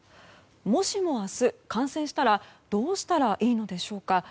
もしも明日、感染したらどうしたらいいのでしょうか。